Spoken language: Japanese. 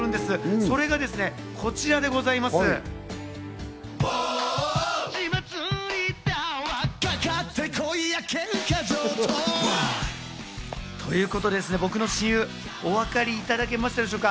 それがこちらでございます！ということでですね、僕の親友、お分かりいただけましたでしょうか。